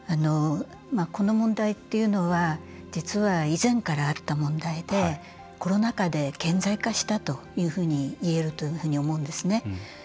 この問題っていうのは実は、以前からあった問題でコロナ禍で顕在化したというふうにいえるというふうに思うんですね。